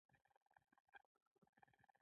احمد په پوست راننوت او پيسې راڅخه يوړې.